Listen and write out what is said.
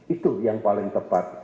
itu yang paling tepat